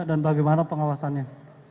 dan bagaimana pengawasannya